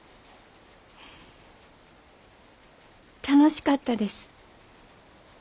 楽しかったです。